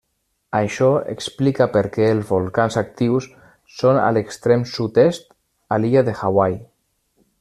Això explica perquè els volcans actius són a l'extrem sud-est, a l'illa de Hawaii.